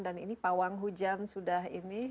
dan ini pawang hujan sudah